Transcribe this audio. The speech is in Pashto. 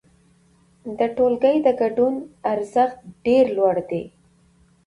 د ټولګي د ګډون ارزښت ډېر لوړ دی.